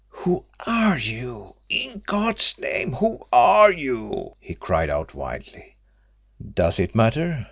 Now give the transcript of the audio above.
"Who are you? In God's name, who are you?" he cried out wildly. "Does it matter?"